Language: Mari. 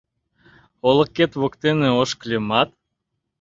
Олыкет воктене ошкыльымат